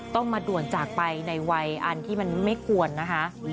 ต้องมาด่วนจากไปในวัยอันที่มันไม่ควรนะคะ